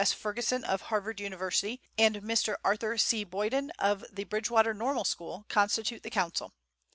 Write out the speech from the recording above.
S. Ferguson, of Harvard University, and Mr. Arthur C. Boyden, of the Bridgewater Normal School, constitute the council.